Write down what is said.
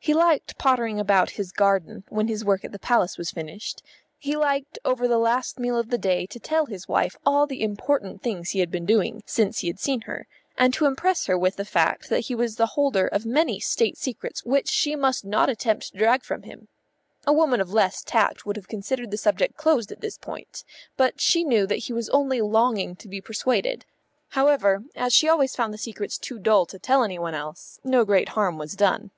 He liked pottering about his garden, when his work at the Palace was finished; he liked, over the last meal of the day, to tell his wife all the important things he had been doing since he had seen her, and to impress her with the fact that he was the holder of many state secrets which she must not attempt to drag from him. A woman of less tact would have considered the subject closed at this point, but she knew that he was only longing to be persuaded. However, as she always found the secrets too dull to tell any one else, no great harm was done.